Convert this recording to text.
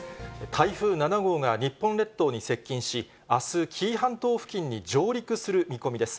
台風７号が日本列島に接近し、あす、紀伊半島付近に上陸する見込みです。